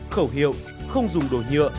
khẩu hiệu không dùng đồ nhựa